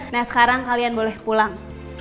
nah sekarang kalian boleh pulang